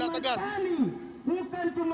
tapi pertama aksi kami ini aksi damai